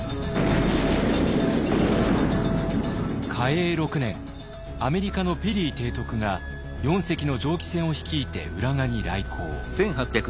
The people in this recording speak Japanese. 嘉永６年アメリカのペリー提督が４隻の蒸気船を率いて浦賀に来航。